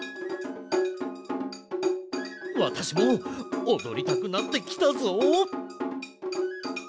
わたしもおどりたくなってきたぞ！